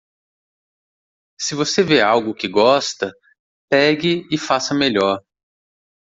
Se você vê algo que gosta, pegue e faça melhor.